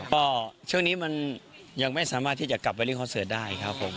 ก็ช่วงนี้มันยังไม่สามารถที่จะกลับไปเล่นคอนเสิร์ตได้ครับผม